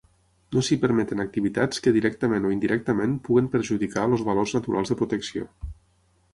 No s'hi permeten activitats que directament o indirectament puguin perjudicar els valors naturals de protecció.